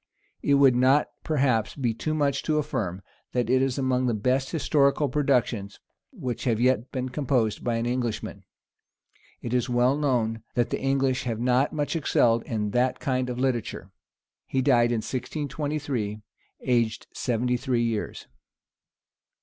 It would not perhaps be too much to affirm, that it is among the best historical productions which have yet been composed by any Englishman. It is well known that the English have not much excelled in that kind of literature. He died in 1623, aged seventy three years.